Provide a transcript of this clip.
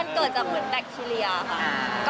มันเกิดจากแบคทีเรียค่ะ